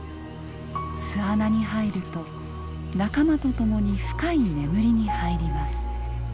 巣穴に入ると仲間と共に深い眠りに入ります。